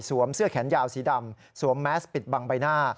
เสื้อแขนยาวสีดำสวมแมสปิดบังใบหน้า